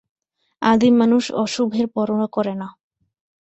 আদিম মানুষ অশুভের পরোয়া করে না।